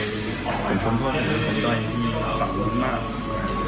ผมคงคงห่วงใจที่ฝากผู้หญิงมาก